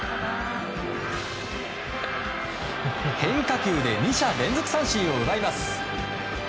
変化球で２者連続三振を奪います。